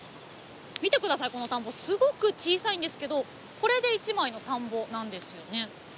見て下さいこの田んぼすごく小さいんですけどこれで１枚の田んぼなんですよね。